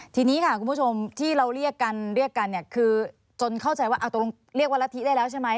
ทีนี้ค่ะคุณผู้ชมที่เราเรียกกันคือจนเข้าใจว่าเรียกว่ารัฐิได้แล้วใช่ไหม